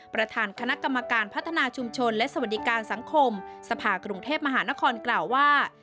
ประธานคณะกรรมการพัฒนาชุมชนและสวัสดิการสังคมสภากรุงเทพมหานครกล่าวว่า